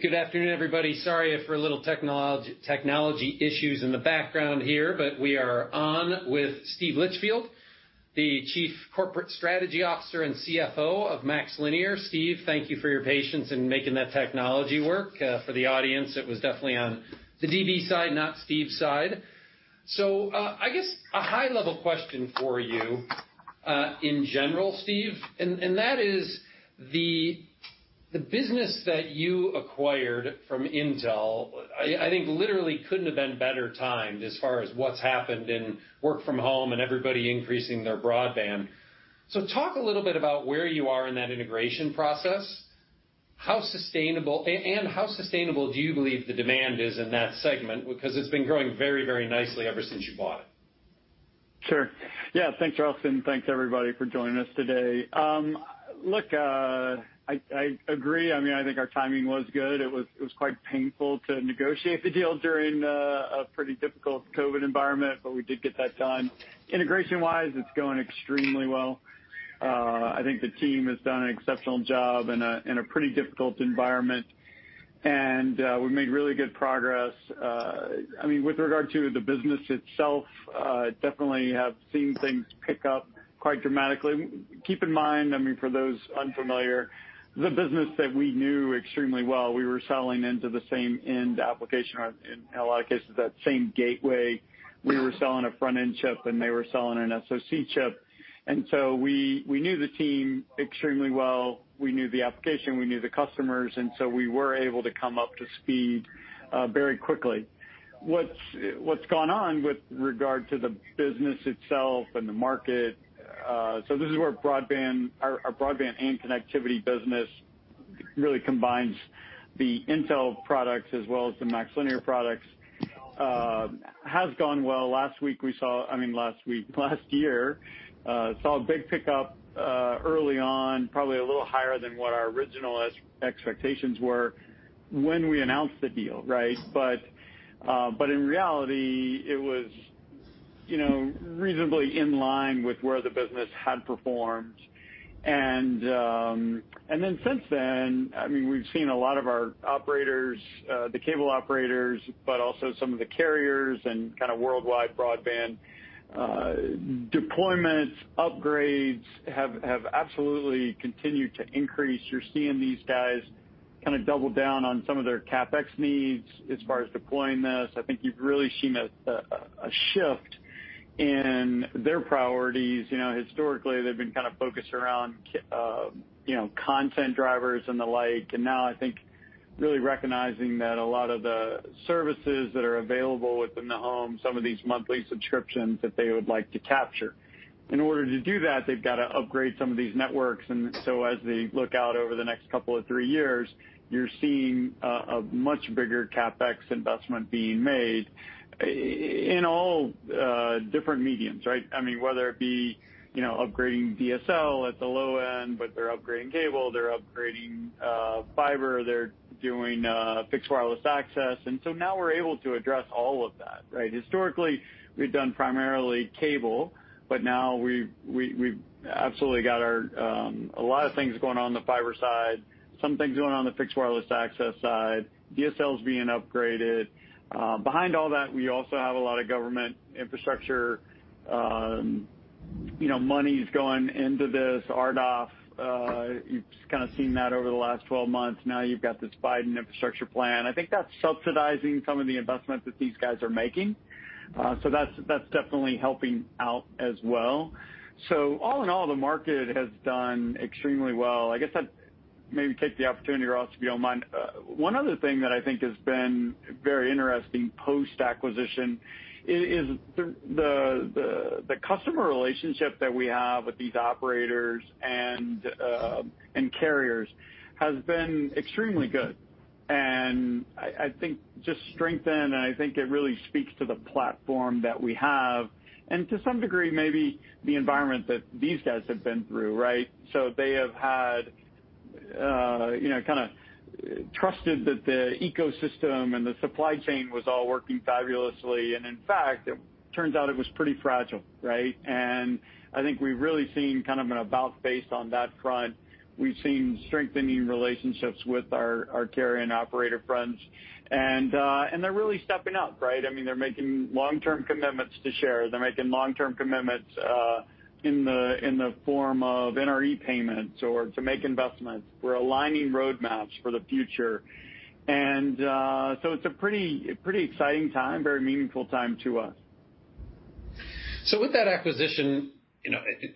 Good afternoon, everybody. Sorry for little technology issues in the background here, we are on with Steven Litchfield, the Chief Corporate Strategy Officer and CFO of MaxLinear. Steven, thank you for your patience in making that technology work. For the audience, it was definitely on the DB side, not Steven's side. I guess a high-level question for you in general, Steven, and that is the business that you acquired from Intel, I think literally couldn't have been better timed as far as what's happened in work from home and everybody increasing their broadband. Talk a little bit about where you are in that integration process, and how sustainable do you believe the demand is in that segment? Because it's been growing very nicely ever since you bought it. Sure. Yeah. Thanks, Ross, and thanks everybody for joining us today. Look, I agree. I think our timing was good. It was quite painful to negotiate the deal during a pretty difficult COVID environment, but we did get that done. Integration-wise, it's going extremely well. I think the team has done an exceptional job in a pretty difficult environment, and we've made really good progress. With regard to the business itself, definitely have seen things pick up quite dramatically. Keep in mind, for those unfamiliar, the business that we knew extremely well, we were selling into the same end application, or in a lot of cases, that same gateway. We were selling a front-end chip, and they were selling an SoC chip. We knew the team extremely well. We knew the application, we knew the customers, we were able to come up to speed very quickly. What's gone on with regard to the business itself and the market, this is where our broadband and connectivity business really combines the Intel products as well as the MaxLinear products, has gone well. Last year, saw a big pickup early on, probably a little higher than what our original expectations were when we announced the deal. In reality, it was reasonably in line with where the business had performed. Since then, we've seen a lot of our operators, the cable operators, but also some of the carriers and kind of worldwide broadband deployments, upgrades, have absolutely continued to increase. You're seeing these guys double down on some of their CapEx needs as far as deploying this. I think you've really seen a shift in their priorities. Historically, they've been focused around content drivers and the like. Now I think really recognizing that a lot of the services that are available within the home, some of these monthly subscriptions that they would like to capture. In order to do that, they've got to upgrade some of these networks. So as they look out over the next couple of 3 years, you're seeing a much bigger CapEx investment being made in all different mediums, right? Whether it be upgrading DSL at the low end. They're upgrading cable, they're upgrading fiber, they're doing fixed wireless access. Now we're able to address all of that. Historically, we've done primarily cable. Now we've absolutely got a lot of things going on in the fiber side, some things going on the fixed wireless access side, DSL is being upgraded. Behind all that, we also have a lot of government infrastructure monies going into this, RDOF. You've kind of seen that over the last 12 months. Now you've got this Biden Infrastructure Plan. I think that's subsidizing some of the investments that these guys are making. That's definitely helping out as well. All in all, the market has done extremely well. I guess I'd maybe take the opportunity, Ross, if you don't mind. One other thing that I think has been very interesting post-acquisition is the customer relationship that we have with these operators and carriers has been extremely good, and I think just strengthened, and I think it really speaks to the platform that we have, and to some degree, maybe the environment that these guys have been through. They have had kind of trusted that the ecosystem and the supply chain was all working fabulously, in fact, it turns out it was pretty fragile. I think we've really seen kind of an about face on that front. We've seen strengthening relationships with our carrier and operator friends, they're really stepping up. They're making long-term commitments to share. They're making long-term commitments in the form of NRE payments or to make investments. We're aligning roadmaps for the future. It's a pretty exciting time, very meaningful time to us. With that acquisition,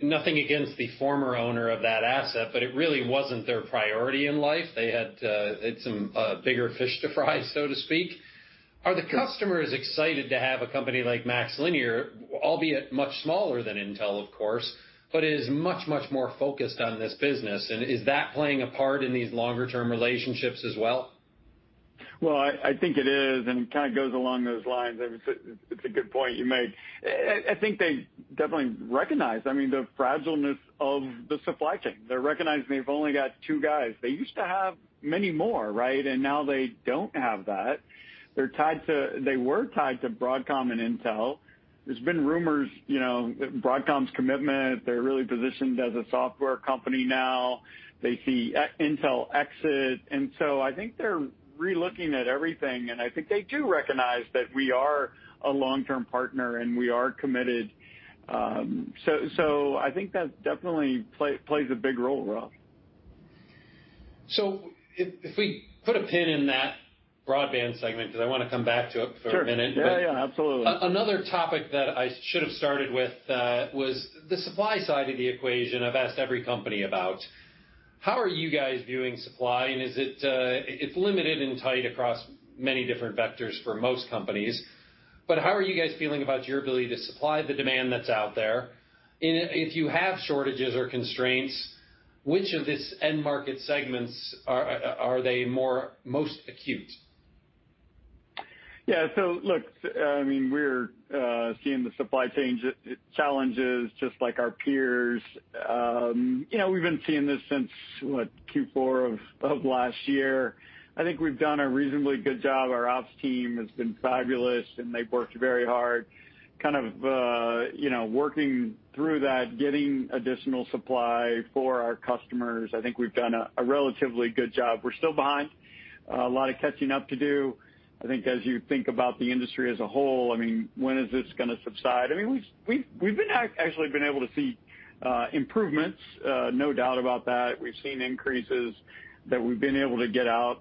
nothing against the former owner of that asset, but it really wasn't their priority in life. They had some bigger fish to fry, so to speak. Are the customers excited to have a company like MaxLinear, albeit much smaller than Intel, of course, but is much more focused on this business? Is that playing a part in these longer-term relationships as well? Well, I think it is. It kind of goes along those lines. It's a good point you make. I think they definitely recognize the fragileness of the supply chain. They recognize they've only got two guys. They used to have many more, right? Now they don't have that. They were tied to Broadcom and Intel. There's been rumors, Broadcom's commitment, they're really positioned as a software company now. They see Intel exit. I think they're re-looking at everything. I think they do recognize that we are a long-term partner, and we are committed. I think that definitely plays a big role, Ross. If we put a pin in that broadband segment, because I want to come back to it for a minute. Sure. Yeah, absolutely. Another topic that I should've started with, was the supply side of the equation, I've asked every company about. How are you guys doing supply, and it's limited and tight across many different vectors for most companies, but how are you guys feeling about your ability to supply the demand that's out there? If you have shortages or constraints, which of this end market segments are they most acute? Yeah. Look, we're seeing the supply chain challenges just like our peers. We've been seeing this since, what, Q4 of last year. I think we've done a reasonably good job. Our ops team has been fabulous, and they've worked very hard working through that, getting additional supply for our customers. I think we've done a relatively good job. We're still behind. A lot of catching up to do. I think as you think about the industry as a whole, when is this going to subside? We've actually been able to see improvements, no doubt about that. We've seen increases that we've been able to get out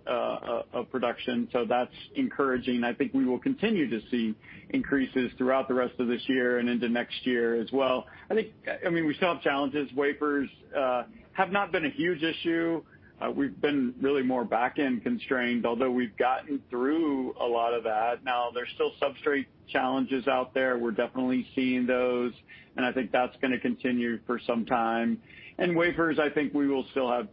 of production, so that's encouraging. I think we will continue to see increases throughout the rest of this year and into next year as well. We still have challenges. Wafers have not been a huge issue. We've been really more back-end constrained, although we've gotten through a lot of that now. There's still substrate challenges out there. We're definitely seeing those, and I think that's going to continue for some time. Wafers, I think we will still have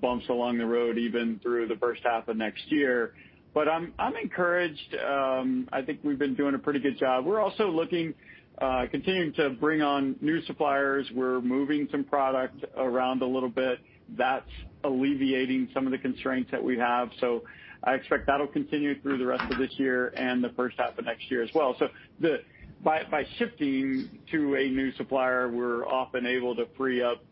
bumps along the road even through the first half of next year. I'm encouraged. I think we've been doing a pretty good job. We're also continuing to bring on new suppliers. We're moving some product around a little bit. That's alleviating some of the constraints that we have. I expect that'll continue through the rest of this year and the first half of next year as well. By shifting to a new supplier, we're often able to free up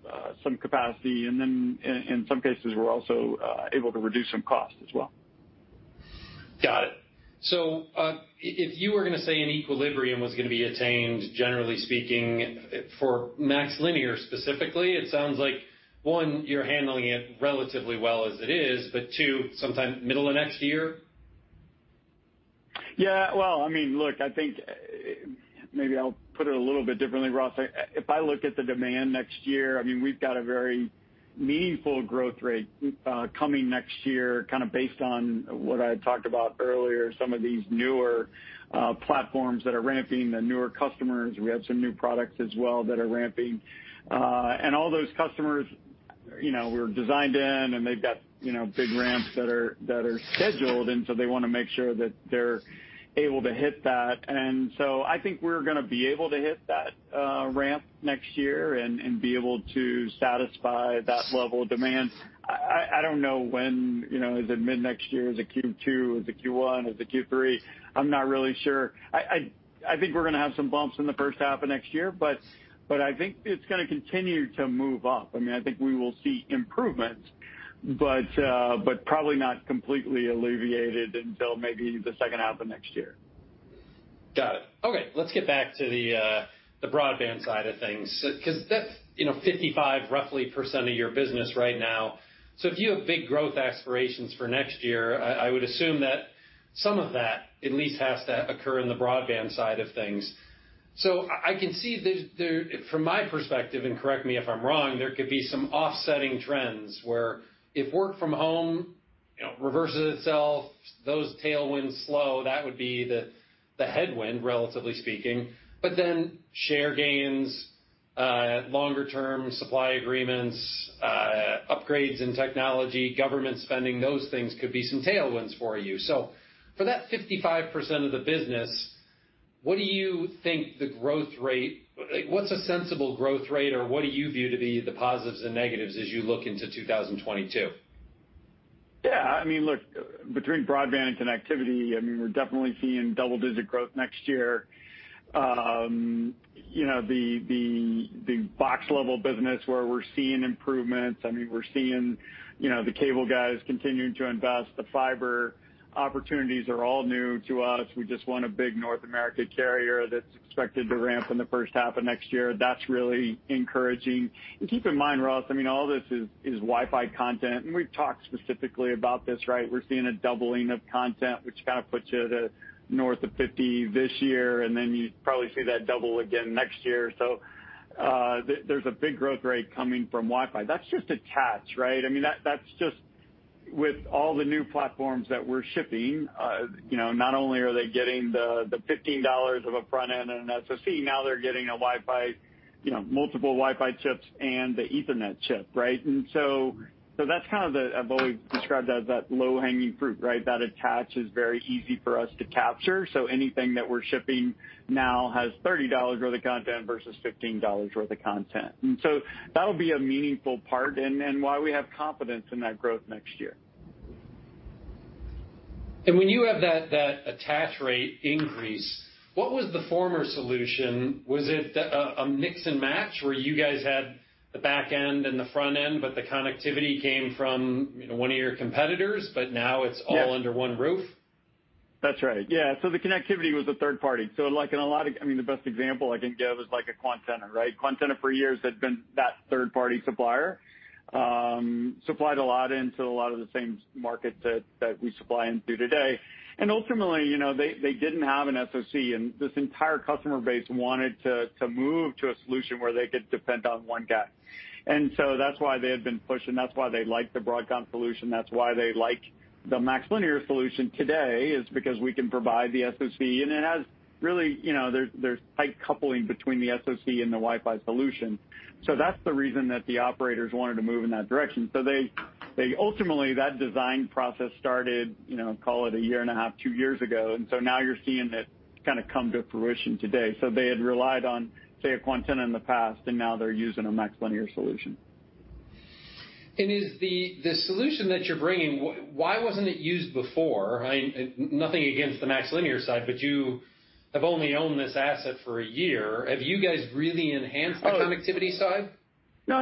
some capacity, and then in some cases, we're also able to reduce some cost as well. Got it. If you were going to say an equilibrium was going to be attained, generally speaking, for MaxLinear specifically, it sounds like, 1, you're handling it relatively well as it is, but 2, sometime middle of next year? Yeah. Well, look, I think maybe I'll put it a little bit differently, Ross. If I look at the demand next year, we've got a very meaningful growth rate coming next year based on what I had talked about earlier, some of these newer platforms that are ramping, the newer customers. We have some new products as well that are ramping. All those customers, we're designed in, and they've got big ramps that are scheduled, and so they want to make sure that they're able to hit that. I think we're going to be able to hit that ramp next year and be able to satisfy that level of demand. I don't know when. Is it mid-next year? Is it Q2? Is it Q1? Is it Q3? I'm not really sure. I think we're going to have some bumps in the first half of next year, but I think it's going to continue to move up. I think we will see improvements, but probably not completely alleviated until maybe the second half of next year. Got it. Okay, let's get back to the broadband side of things, because that's 55%, roughly, of your business right now. If you have big growth aspirations for next year, I would assume that some of that at least has to occur in the broadband side of things. I can see from my perspective, and correct me if I'm wrong, there could be some offsetting trends where if work from home reverses itself, those tailwinds slow, that would be the headwind, relatively speaking. Share gains, longer-term supply agreements, upgrades in technology, government spending, those things could be some tailwinds for you. For that 55% of the business, what's a sensible growth rate or what do you view to be the positives and negatives as you look into 2022? Look, between broadband and connectivity, we're definitely seeing double-digit growth next year. The box-level business where we're seeing improvements. We're seeing the cable guys continuing to invest. The fiber opportunities are all new to us. We just won a big North America carrier that's expected to ramp in the first half of next year. That's really encouraging. Keep in mind, Ross, all this is Wi-Fi content, and we've talked specifically about this, right? We're seeing a doubling of content, which kind of puts you to north of 50 this year, and then you'd probably see that double again next year. There's a big growth rate coming from Wi-Fi. That's just attach, right? That's just with all the new platforms that we're shipping. Not only are they getting the $15 of a front-end and an SoC, now they're getting a Wi-Fi-multiple Wi-Fi chips and the Ethernet chip, right? That's kind of I've always described that as that low-hanging fruit, right. Anything that we're shipping now has $30 worth of content versus $15 worth of content. That'll be a meaningful part and why we have confidence in that growth next year. When you have that attach rate increase, what was the former solution? Was it a mix and match where you guys had the back end and the front end, but the connectivity came from one of your competitors, but now it's all. Yes under one roof? That's right. Yeah. The connectivity was a third party. I mean, the best example I can give is like a Quantenna, right? Quantenna for years had been that third-party supplier. Supplied a lot into a lot of the same markets that we supply into today. Ultimately, they didn't have an SoC, and this entire customer base wanted to move to a solution where they could depend on one guy. That's why they had been pushing, that's why they like the Broadcom solution, that's why they like the MaxLinear solution today, is because we can provide the SoC. It has really-- there's tight coupling between the SoC and the Wi-Fi solution. That's the reason that the operators wanted to move in that direction. Ultimately, that design process started, call it a year and a half, two years ago. Now you're seeing it kind of come to fruition today. They had relied on, say, a Quantenna in the past, and now they're using a MaxLinear solution. The solution that you're bringing, why wasn't it used before? Nothing against the MaxLinear side, but you have only owned this asset for a year. Have you guys really enhanced the connectivity side? No.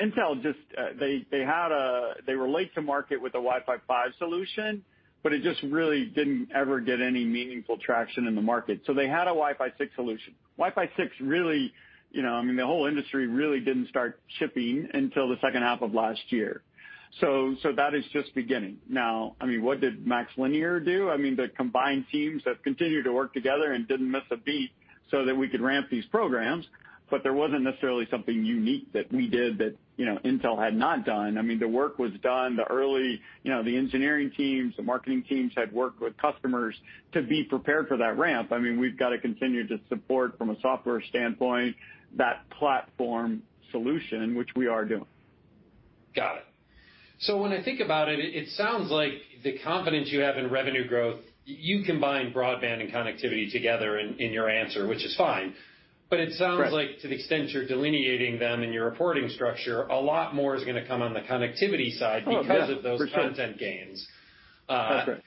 Intel they were late to market with the Wi-Fi 5 solution, but it just really didn't ever get any meaningful traction in the market. They had a Wi-Fi 6 solution. Wi-Fi 6, really, I mean, the whole industry really didn't start shipping until the second half of last year. That is just beginning. Now, what did MaxLinear do? I mean, the combined teams have continued to work together and didn't miss a beat so that we could ramp these programs. There wasn't necessarily something unique that we did that Intel had not done. I mean, the work was done. The engineering teams, the marketing teams had worked with customers to be prepared for that ramp. I mean, we've got to continue to support, from a software standpoint, that platform solution, which we are doing. Got it. When I think about it sounds like the confidence you have in revenue growth, you combine broadband and connectivity together in your answer, which is fine. Right To the extent you're delineating them in your reporting structure, a lot more is going to come on the connectivity side. Oh, yeah. For sure. because of those content gains. That's right.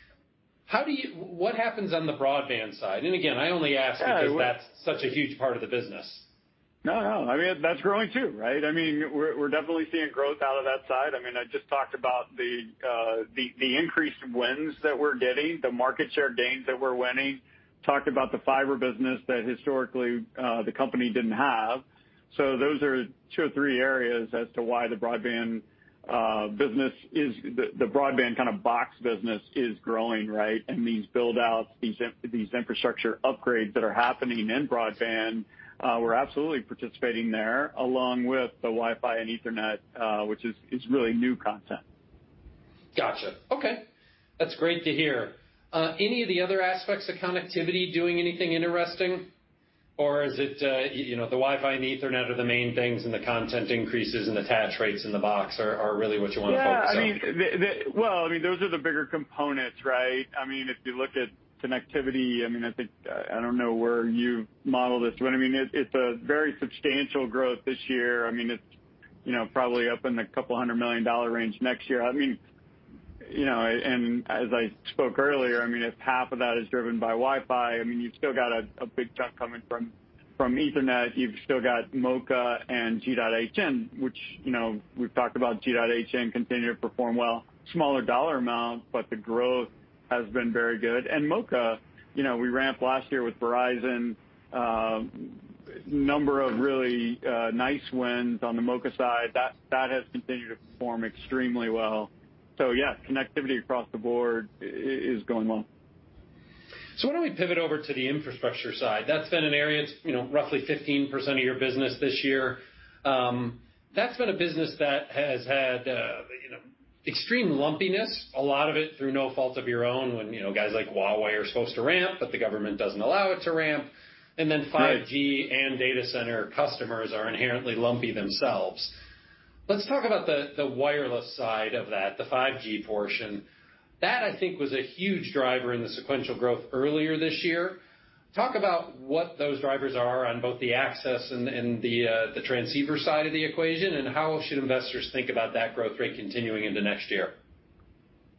What happens on the broadband side? Again, I only ask because that's such a huge part of the business. No. I mean, that's growing, too, right? We're definitely seeing growth out of that side. I just talked about the increase in wins that we're getting, the market share gains that we're winning. Talked about the fiber business that historically the company didn't have. Those are two or three areas as to why the broadband kind of box business is growing, right? These build-outs, these infrastructure upgrades that are happening in broadband, we're absolutely participating there, along with the Wi-Fi and Ethernet, which is really new content. Got you. Okay. That's great to hear. Any of the other aspects of connectivity doing anything interesting? Or is it the Wi-Fi and Ethernet are the main things, and the content increases and attach rates in the box are really what you want to focus on? Yeah. Well, those are the bigger components, right? If you look at connectivity, I don't know where you model this, but it's a very substantial growth this year. It's probably up in the couple hundred million dollar range next year. As I spoke earlier, if half of that is driven by Wi-Fi, you've still got a big chunk coming from Ethernet. You've still got MoCA and G.hn, which, we've talked about G.hn continuing to perform well. Smaller dollar amount, the growth has been very good. MoCA, we ramped last year with Verizon. Number of really nice wins on the MoCA side. That has continued to perform extremely well. Yeah, connectivity across the board is going well. Why don't we pivot over to the infrastructure side? That's been an area, it's roughly 15% of your business this year. That's been a business that has had extreme lumpiness, a lot of it through no fault of your own, when guys like Huawei are supposed to ramp, but the government doesn't allow it to ramp. Then 5G and data center customers are inherently lumpy themselves. Let's talk about the wireless side of that, the 5G portion. That, I think, was a huge driver in the sequential growth earlier this year. Talk about what those drivers are on both the access and the transceiver side of the equation, and how should investors think about that growth rate continuing into next year?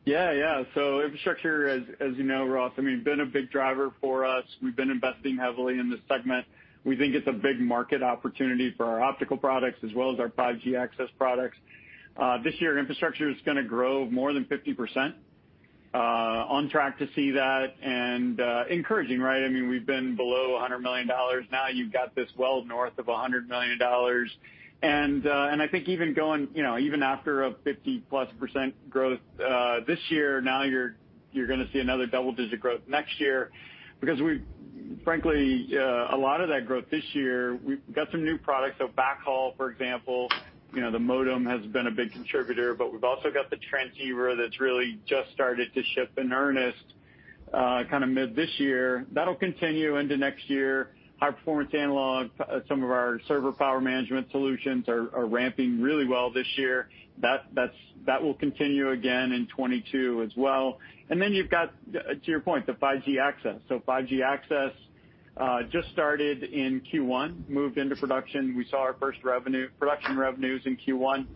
Yeah. Infrastructure, as you know, Ross, been a big driver for us. We've been investing heavily in this segment. We think it's a big market opportunity for our optical products as well as our 5G access products. This year, infrastructure is going to grow more than 50%. On track to see that, and encouraging, right? We've been below $100 million. Now you've got this well north of $100 million. I think even after a 50%+ growth this year, now you're going to see another double-digit growth next year because frankly, a lot of that growth this year, we've got some new products. Backhaul, for example, the modem has been a big contributor, but we've also got the transceiver that's really just started to ship in earnest, kind of mid this year. That'll continue into next year. High-performance analog, some of our server power management solutions are ramping really well this year. That will continue again in 2022 as well. You've got, to your point, the 5G access. 5G access just started in Q1, moved into production. We saw our first production revenues in Q1.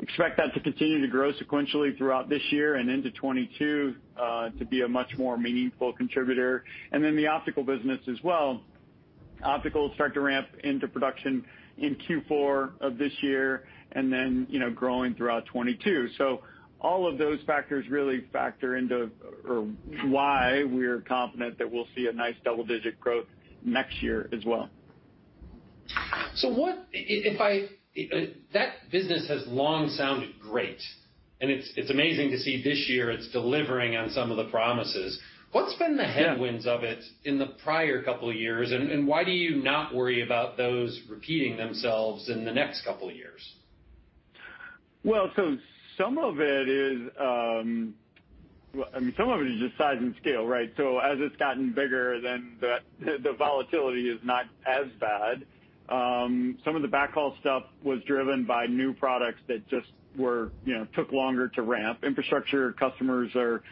Expect that to continue to grow sequentially throughout this year and into 2022, to be a much more meaningful contributor. The optical business as well. Optical will start to ramp into production in Q4 of this year and then growing throughout 2022. All of those factors really factor into why we're confident that we'll see a nice double-digit growth next year as well. That business has long sounded great, and it's amazing to see this year it's delivering on some of the promises. What's been the headwinds of it in the prior couple of years, and why do you not worry about those repeating themselves in the next couple of years? Well, some of it is just size and scale, right? As it's gotten bigger, then the volatility is not as bad. Some of the backhaul stuff was driven by new products that just took longer to ramp. Infrastructure customers are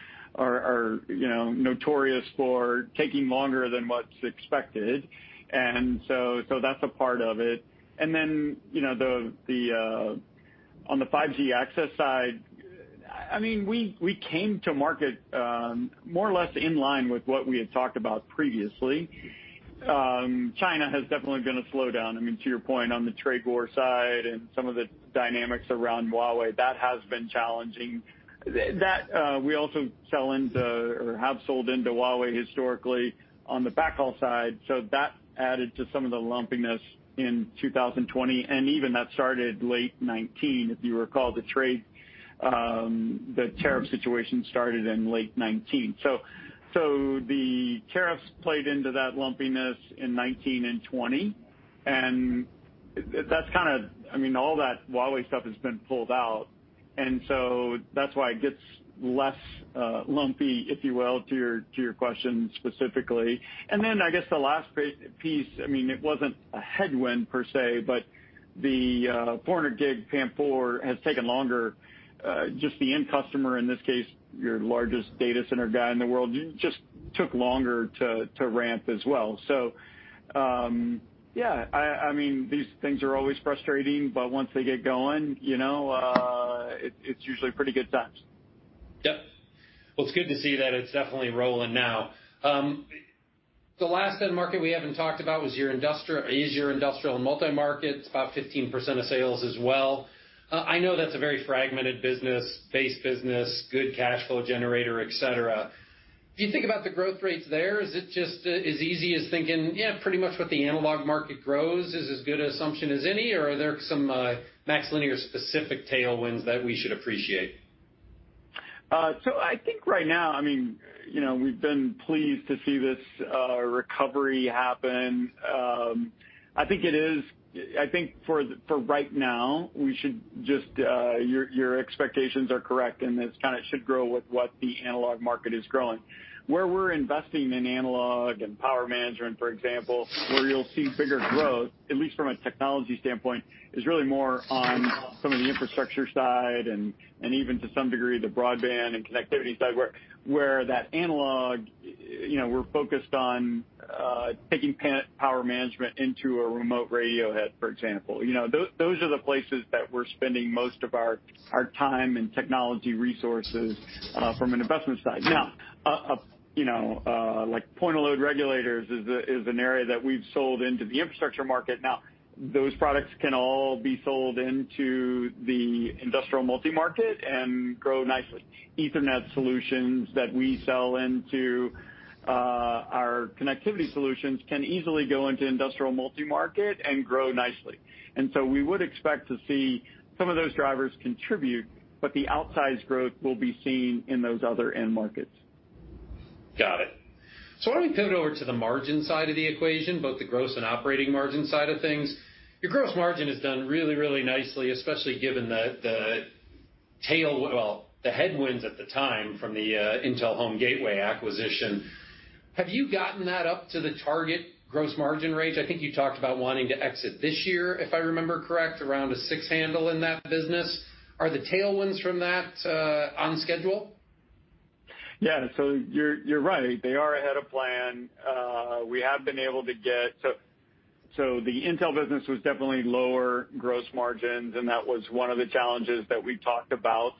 notorious for taking longer than what's expected. That's a part of it. Then, on the 5G access side, we came to market more or less in line with what we had talked about previously. China has definitely been a slowdown, to your point, on the trade war side and some of the dynamics around Huawei. That has been challenging. We also sell into or have sold into Huawei historically on the backhaul side. That added to some of the lumpiness in 2020, and even that started late 2019. If you recall, the tariff situation started in late 2019. The tariffs played into that lumpiness in 2019 and 2020, and all that Huawei stuff has been pulled out. That's why it gets less lumpy, if you will, to your question specifically. I guess the last piece, it wasn't a headwind per se, but the 400G PAM4 has taken longer. Just the end customer, in this case, your largest data center guy in the world, just took longer to ramp as well. Yeah. These things are always frustrating, but once they get going, it's usually pretty good times. Yep. Well, it's good to see that it's definitely rolling now. The last end market we haven't talked about is your industrial and multi-market. It's about 15% of sales as well. I know that's a very fragmented base business, good cash flow generator, et cetera. Do you think about the growth rates there? Is it just as easy as thinking, yeah, pretty much what the analog market grows is as good an assumption as any? Or are there some MaxLinear specific tailwinds that we should appreciate? I think right now, we've been pleased to see this recovery happen. I think for right now, your expectations are correct, and it kind of should grow with what the analog market is growing. Where we're investing in analog and power management, for example, where you'll see bigger growth, at least from a technology standpoint, is really more on some of the infrastructure side and even to some degree, the broadband and connectivity side, where that analog, we're focused on taking power management into a remote radio head, for example. Those are the places that we're spending most of our time and technology resources from an investment side. Like point-of-load regulators is an area that we've sold into the infrastructure market. Those products can all be sold into the industrial multi-market and grow nicely. Ethernet solutions that we sell into our connectivity solutions can easily go into industrial multi-market and grow nicely. We would expect to see some of those drivers contribute, but the outsized growth will be seen in those other end markets. Got it. Why don't we pivot over to the margin side of the equation, both the gross and operating margin side of things. Your gross margin has done really nicely, especially given the headwinds at the time from the Intel home gateway acquisition. Have you gotten that up to the target gross margin range? I think you talked about wanting to exit this year, if I remember correct, around a six handle in that business. Are the tailwinds from that on schedule? Yeah. You're right. They are ahead of plan. The Intel business was definitely lower gross margins, and that was one of the challenges that we talked about.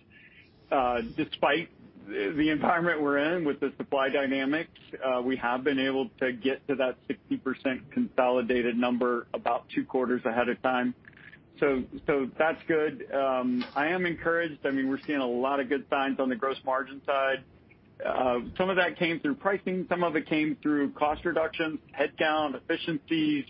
Despite the environment we're in with the supply dynamics, we have been able to get to that 60% consolidated number about 2 quarters ahead of time. That's good. I am encouraged. We're seeing a lot of good signs on the gross margin side. Some of that came through pricing, some of it came through cost reduction, headcount, efficiencies.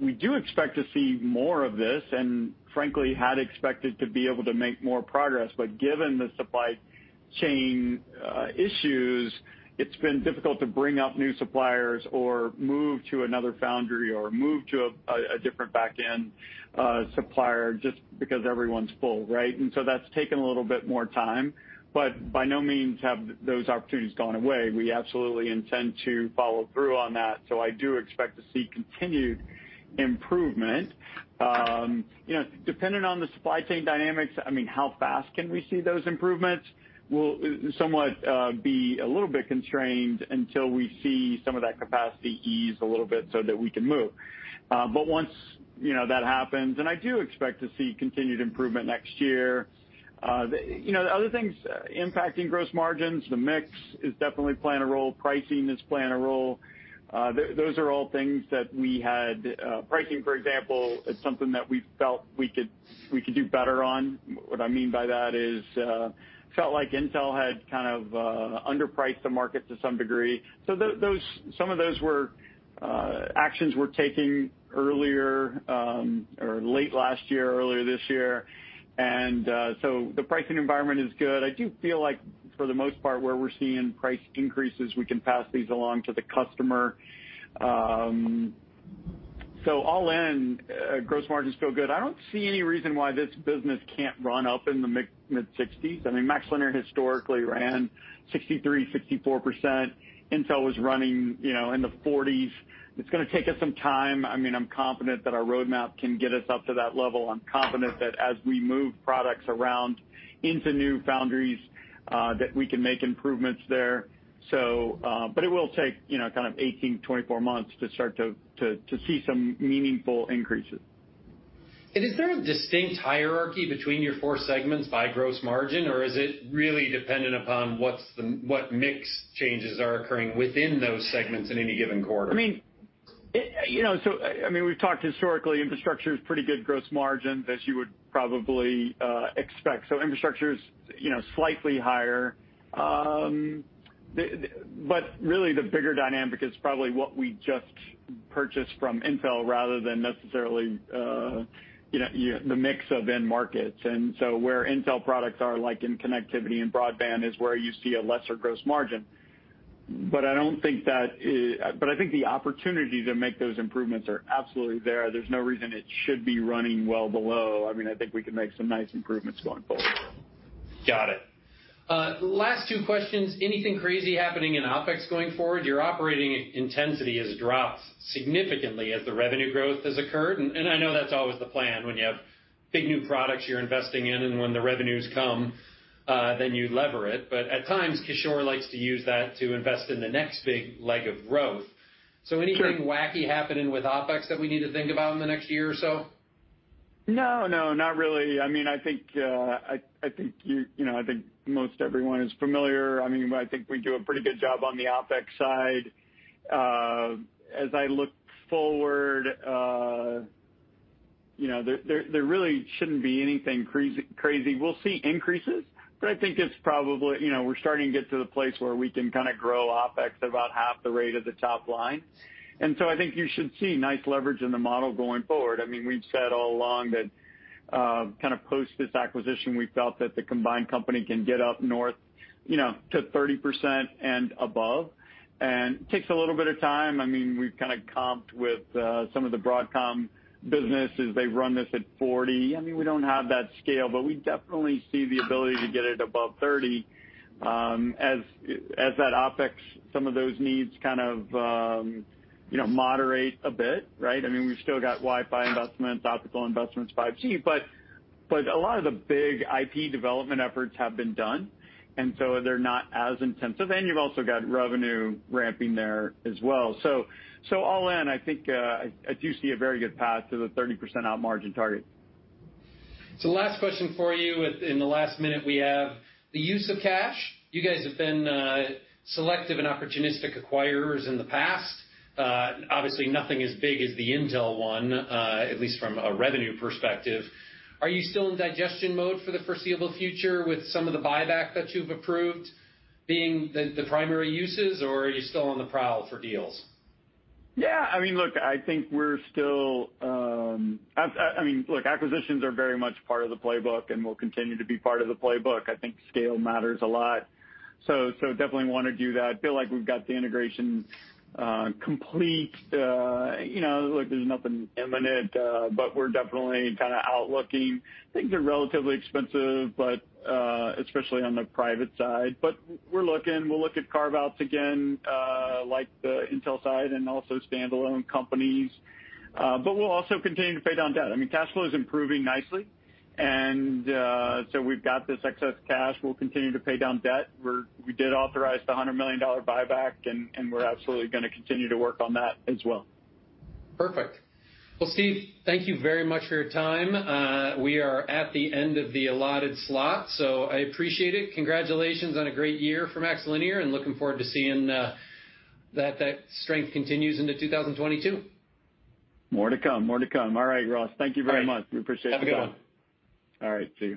We do expect to see more of this, and frankly, had expected to be able to make more progress. Given the supply chain issues, it's been difficult to bring up new suppliers or move to another foundry or move to a different back end supplier just because everyone's full, right? That's taken a little bit more time. By no means have those opportunities gone away. We absolutely intend to follow through on that. I do expect to see continued improvement. Depending on the supply chain dynamics, how fast can we see those improvements? Will somewhat be a little bit constrained until we see some of that capacity ease a little bit so that we can move. Once that happens, and I do expect to see continued improvement next year. The other things impacting gross margins, the mix is definitely playing a role, pricing is playing a role. Those are all things that we had. Pricing, for example, is something that we felt we could do better on. What I mean by that is, felt like Intel had underpriced the market to some degree. Some of those actions were taken earlier or late last year, earlier this year. The pricing environment is good. I do feel like for the most part, where we're seeing price increases, we can pass these along to the customer. All in, gross margins feel good. I don't see any reason why this business can't run up in the mid-60s. MaxLinear historically ran 63%, 64%. Intel was running in the 40s. It's going to take us some time. I'm confident that our roadmap can get us up to that level. I'm confident that as we move products around into new foundries, that we can make improvements there. It will take 18, 24 months to start to see some meaningful increases. Is there a distinct hierarchy between your four segments by gross margin, or is it really dependent upon what mix changes are occurring within those segments in any given quarter? We've talked historically, infrastructure is pretty good gross margin as you would probably expect. Infrastructure is slightly higher. Really the bigger dynamic is probably what we just purchased from Intel rather than necessarily the mix of end markets. Where Intel products are like in connectivity and broadband is where you see a lesser gross margin. I think the opportunity to make those improvements are absolutely there. There's no reason it should be running well below. I think we can make some nice improvements going forward. Got it. Last two questions. Anything crazy happening in OpEx going forward? Your operating intensity has dropped significantly as the revenue growth has occurred, and I know that's always the plan when you have big new products you're investing in, and when the revenues come, then you lever it. At times, Kishore likes to use that to invest in the next big leg of growth. Sure. Anything wacky happening with OpEx that we need to think about in the next year or so? No. Not really. I think most everyone is familiar. I think we do a pretty good job on the OpEx side. As I look forward, there really shouldn't be anything crazy. We'll see increases, but I think we're starting to get to the place where we can grow OpEx about half the rate of the top line. I think you should see nice leverage in the model going forward. We've said all along that post this acquisition, we felt that the combined company can get up north to 30% and above, and takes a little bit of time. We've comped with some of the Broadcom businesses. They run this at 40. We don't have that scale, but we definitely see the ability to get it above 30, as that OpEx, some of those needs moderate a bit, right? We've still got Wi-Fi investments, optical investments, 5G, but a lot of the big IP development efforts have been done, and so they're not as intensive. You've also got revenue ramping there as well. All in, I think, I do see a very good path to the 30% op margin target. Last question for you in the last minute we have. The use of cash. You guys have been selective and opportunistic acquirers in the past. Obviously nothing as big as the Intel one, at least from a revenue perspective. Are you still in digestion mode for the foreseeable future with some of the buyback that you've approved being the primary uses, or are you still on the prowl for deals? Yeah. Look, acquisitions are very much part of the playbook and will continue to be part of the playbook. I think scale matters a lot. Definitely want to do that. Feel like we've got the integration complete. There's nothing imminent, but we're definitely outlooking. Things are relatively expensive, especially on the private side. We're looking, we'll look at carve-outs again, like the Intel side and also standalone companies. We'll also continue to pay down debt. Cash flow is improving nicely, and so we've got this excess cash. We'll continue to pay down debt. We did authorize the $100 million buyback, and we're absolutely going to continue to work on that as well. Perfect. Well, Steve, thank you very much for your time. We are at the end of the allotted slot, so I appreciate it. Congratulations on a great year for MaxLinear, and looking forward to seeing that strength continues into 2022. More to come. All right, Ross. Thank you very much. All right. We appreciate the time. Have a good one. All right. See you.